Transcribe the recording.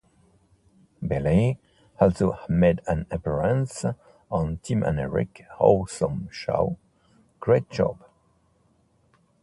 Begley also made an appearance on Tim and Eric Awesome Show, Great Job!